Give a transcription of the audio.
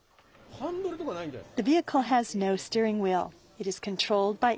ハンドルとかないんですか。